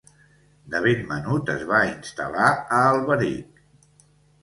De ben menut es va instal·lar a Alberic.